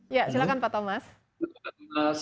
iya silahkan pak thomas